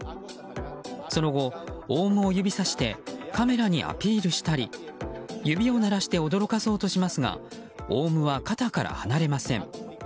その後、オウムを指さしてカメラにアピールしたり指を鳴らして驚かそうとしますがオウムは肩から離れません。